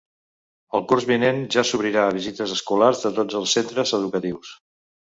El curs vinent ja s’obrirà a visites escolars de tots els centres educatius.